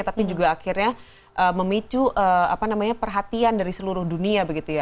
tapi juga akhirnya memicu perhatian dari seluruh dunia begitu ya